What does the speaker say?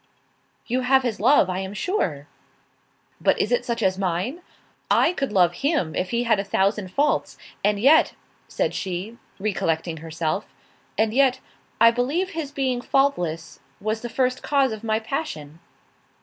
"You have his love, I am sure." "But is it such as mine? I could love him if he had a thousand faults. And yet," said she, recollecting herself, "and yet, I believe his being faultless, was the first cause of my passion."